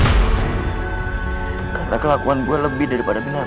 hai karena kelakuan gue lebih daripada binatang